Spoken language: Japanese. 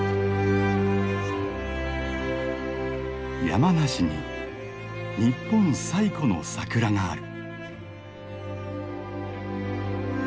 山梨に日本最古の桜がある。